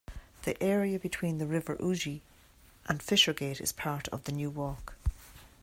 The area between the River Ouse and Fishergate is part of the New Walk.